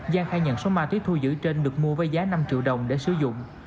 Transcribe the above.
giang khai nhận số ma túy thu giữ trên được mua với giá năm triệu đồng để sử dụng